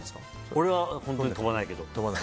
俺は本当に飛ばないけど。